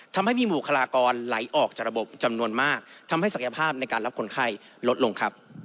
ทำให้มีบุคลากรไหลออกจากระบบจำนวนมากทำให้ศักยภาพในการรับคนไข้ลดลงครับ